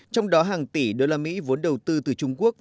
trong đó hàng tỷ đô la mỹ vốn đầu tư từ trung quốc